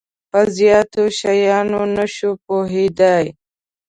په زیاتو شیانو نه شو پوهیدای.